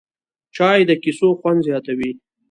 چای د کیسو خوند زیاتوي